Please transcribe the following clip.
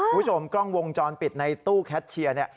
ผู้ชมกล้องวงจรปิดในตู้แคชเชียร์